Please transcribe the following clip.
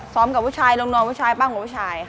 ซ้อมกับผู้ชายลงนอนผู้ชายปั้งกับผู้ชาย